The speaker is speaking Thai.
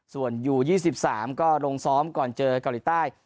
ส่วนอยู่๒๓ก็ลงซ้อมก่อนเจอเกาหลีใต้